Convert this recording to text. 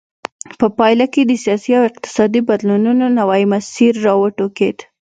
په پایله کې د سیاسي او اقتصادي بدلونونو نوی مسیر را وټوکېد.